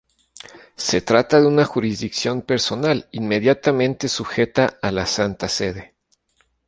Se trata de una jurisdicción personal inmediatamente sujeta a la Santa Sede.